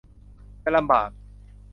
จะลำบาก